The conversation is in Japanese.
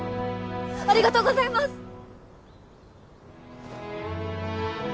ありがとうございます！